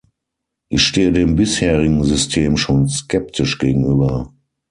Ich stehe dem bisherigen System schon skeptisch gegenüber.